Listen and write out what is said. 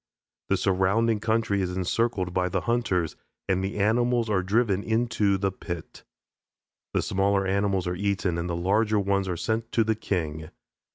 The surrounding country is encircled by the hunters and the animals are driven into the pit. The smaller animals are eaten and the larger ones are sent to the king.